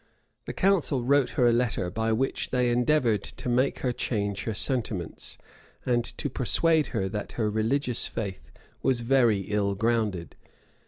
The council wrote her a letter, by which they endeavored to make her change her sentiments, and to persuade her that her religious faith was very ill grounded.